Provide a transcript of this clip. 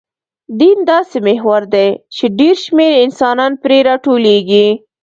دین داسې محور دی، چې ډېر شمېر انسانان پرې راټولېږي.